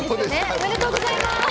おめでとうございます。